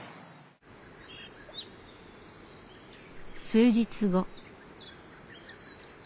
数日後。